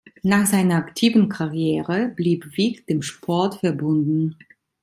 Nach seiner aktiven Karriere blieb Wick dem Sport verbunden.